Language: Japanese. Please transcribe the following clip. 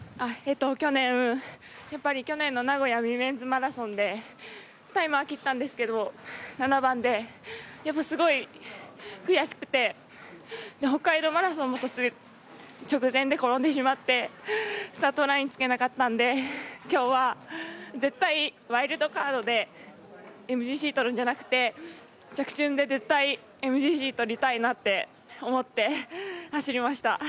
去年の名古屋ウィメンズマラソンでタイムは切ったんですけど７番ですごい悔しくて北海道マラソンも直前で転んでしまってスタートラインにつけなかったんできょうは絶対ワイルドカードでＭＧＣ取るんじゃなくて着順で絶対ＭＧＣ取りたいなって思って走りました。